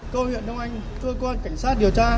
cơ huyện đông anh thương quân cảnh sát điều tra